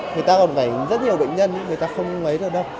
người ta còn phải rất nhiều bệnh nhân ý người ta không lấy được đâu